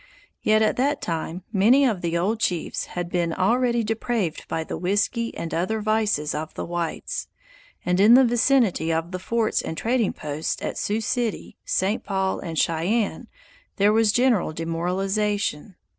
Yet at that time many of the old chiefs had been already depraved by the whisky and other vices of the whites, and in the vicinity of the forts and trading posts at Sioux City, Saint Paul, and Cheyenne, there was general demoralization.